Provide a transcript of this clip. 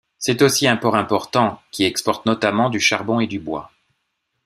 C'est aussi un port important, qui exporte notamment du charbon et du bois.